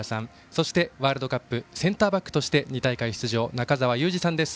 そしてワールドカップセンターバックとして２大会出場、中澤佑二さんです。